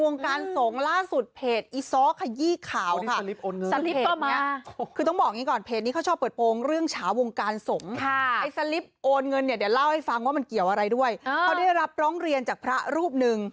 โอนเงินเนี่ยเดี๋ยวเล่าให้ฟังว่ามันเกี่ยวอะไรด้วยเขาได้รับร้องเรียนจากพระรูปหนึ่ง